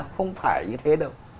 không phải như thế đâu